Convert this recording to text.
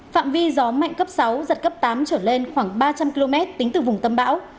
phạm vi gió mạnh cấp sáu giật cấp tám trở lên khoảng ba trăm linh km tính từ vùng tâm bão